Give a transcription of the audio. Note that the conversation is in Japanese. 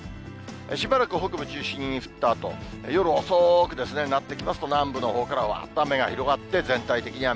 しばらく北部中心に降ったあと、夜遅くですね、なってきますと、南部のほうからわーっと雨が広がって全体的に雨。